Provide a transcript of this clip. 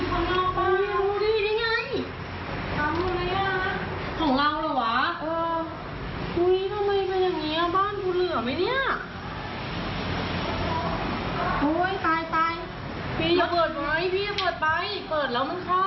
โห้น่ากลัวบ้างนะคะ